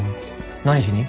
何しに？